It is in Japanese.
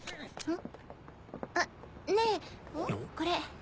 ん？